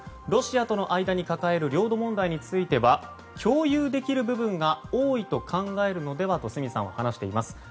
ロシアとの間に抱える領土問題については共有できる部分が多いと考えるのではと角さんは話しています。